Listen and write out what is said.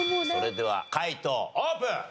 それでは解答オープン！